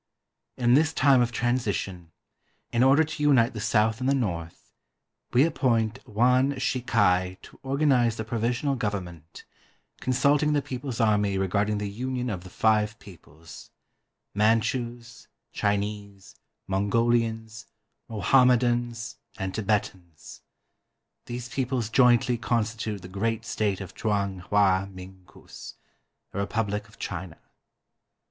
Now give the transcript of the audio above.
"In this time of transition, in order to unite the South and the North, we appoint Yuan Shi kai to organize a provisional government, consulting the people's army regarding the union of the five peoples, Manchus, Chi nese, MongoHans, Mohammedans, and Tibetans. These peoples jointly constitute the great State of Chung Hwa Ming Kus [a republic of China].